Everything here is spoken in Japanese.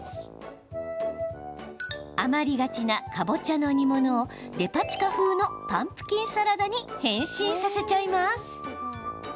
余りがちなかぼちゃの煮物をデパ地下風のパンプキンサラダに変身させちゃいます。